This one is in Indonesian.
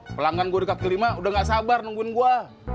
pelanggan gue di kapitul lima udah gak sabar nungguin gue